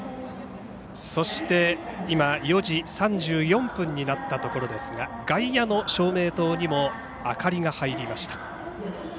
そして、今４時３４分になったところですが外野の照明塔にも明かりが入りました。